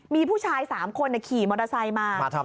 มีผู้ชาย๓คนขี่มอเตอร์ไซค์มา